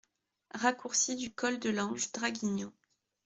Raccourci du Col de l'Ange, Draguignan